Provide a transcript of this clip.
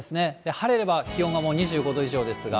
晴れれば気温はもう２５度以上ですが。